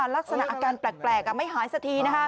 ลักษณะอาการแปลกไม่หายสักที